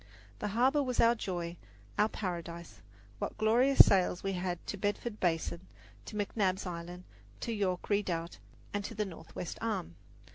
The harbour was our joy, our paradise. What glorious sails we had to Bedford Basin, to McNabb's Island, to York Redoubt, and to the Northwest Arm!